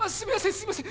すいません